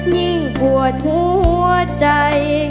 ยิ่งปวดหัวใจ